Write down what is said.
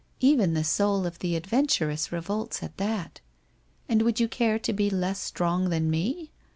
Even the soul of the adventuress revolts at that. And would you care to be less strong than me?